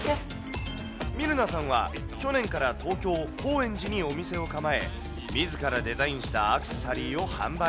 ミルナさんは、去年から東京・高円寺にお店を構え、みずからデザインしたアクセサリーを販売。